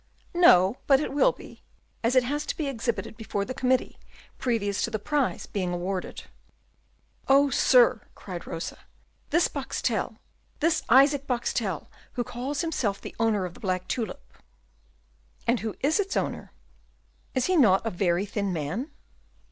"No, but it will be, as it has to be exhibited before the committee previous to the prize being awarded." "Oh, sir!" cried Rosa, "this Boxtel this Isaac Boxtel who calls himself the owner of the black tulip " "And who is its owner?" "Is he not a very thin man?"